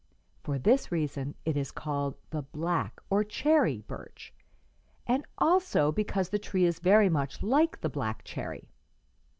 For this reason it is called the black, or cherry, birch, and also because the tree is very much like the black cherry.